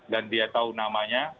dan dia tahu namanya